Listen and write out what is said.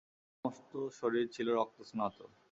তার সমস্ত শরীর ছিল রক্তস্নাত।